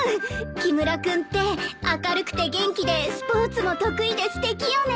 木村君って明るくて元気でスポーツも得意ですてきよね。